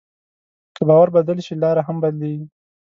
که باور بدل شي، لاره هم بدلېږي.